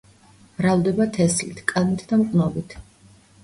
მრავლდება თესლით, კალმით და მყნობით.